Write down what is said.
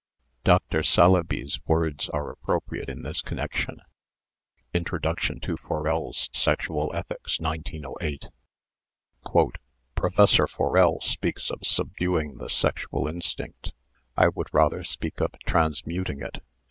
Dr. Saleeby's words are appropriate in this connec tion (Introduction to Forel's "Sexual Ethics," 1908) :■" Professor Forel speaks of subduing the sexual instinct. I would rather speak of transmuting it.